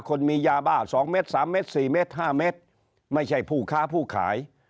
คนมียาบ้า๒เม็ดสามเม็ด๔เมตร๕เมตรไม่ใช่ผู้ค้าผู้ขาย